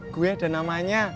gue ada namanya